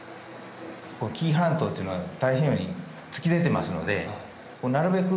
紀伊半島っていうのは大平洋に突き出てますのでなるべく